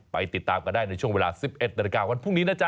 ติดตามกันได้ในช่วงเวลา๑๑นาฬิกาวันพรุ่งนี้นะจ๊